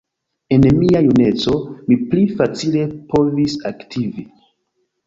En mia juneco mi pli facile povis aktivi.